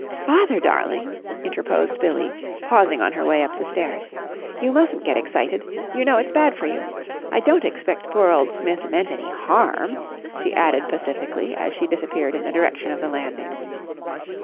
"Father darling," interposed Billie, pausing on her way up the stairs, "you mustn't get excited. You know it's bad for you. I don't expect poor old Smith meant any harm," she added pacifically, as she disappeared in the direction of the landing.